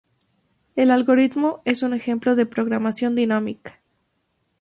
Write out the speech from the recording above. El algoritmo es un ejemplo de programación dinámica.